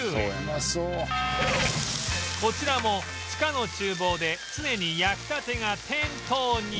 こちらも地下の厨房で常に焼きたてが店頭に